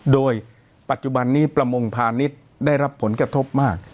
โดยปัจจุบันนี้ประมงพาณิชย์ได้รับผลกระทบมาก